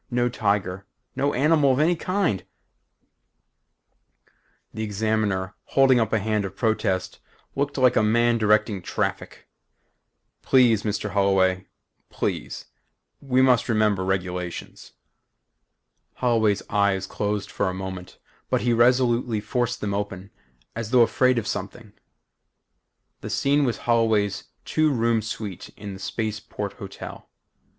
No tiger. No animal of any kind " The Examiner, holding up a hand of protest, looked like a man directing traffic. "Please, Mr. Holloway please. We must remember regulations." Holloway's eyes closed for a moment but he resolutely forced them open as though afraid of something. The scene was Holloway's two room suite in the Space Port Hotel.